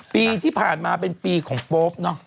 ปีที่ผ่านมาเป็นปีของโป๊ปเนอะ